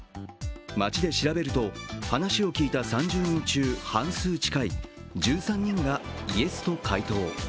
街で調べると話を聞いた３０人中半数近い１３人がイエスと回答。